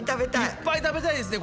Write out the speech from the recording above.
いっぱい食べたいですね